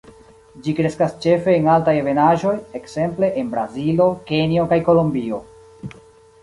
Ĝi kreskas ĉefe en altaj ebenaĵoj, ekzemple, en Brazilo, Kenjo kaj Kolombio.